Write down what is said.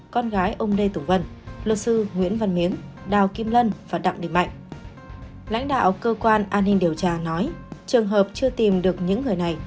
cơ quan an ninh điều tra nói trường hợp chưa tìm được những người này